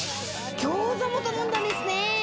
餃子も頼んだんですね。